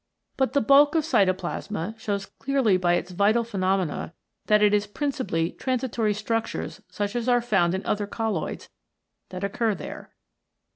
But the bulk of Cytoplasma shows clearly by its vital phenomena that it is principally transitory structures such as are found in other colloids, that occur there.